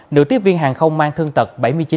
nữ tiếp viên hàng không mang thương tật bảy mươi chín